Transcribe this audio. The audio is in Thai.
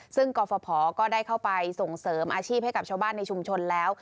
ซึ่งกรฟภก็ได้เข้าไปส่งเสริมอาชีพให้กับชาวบ้านในชุมชนแล้ว